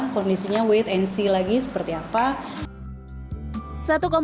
kondisinya wait and see lagi seperti apa